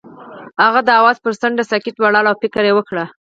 هغه د اواز پر څنډه ساکت ولاړ او فکر وکړ.